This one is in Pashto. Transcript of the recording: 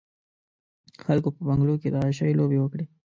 خلکو په بنګلو کې د عياشۍ لوبې وکړې.